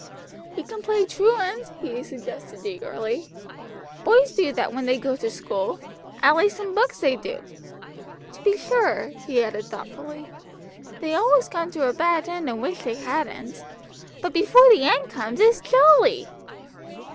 "We can play truant," he suggested eagerly. "Boys do that when they go to school at least in books they do. To be sure," he added thoughtfully, "they always come to a bad end and wish they hadn't, but before the end comes, it's jolly."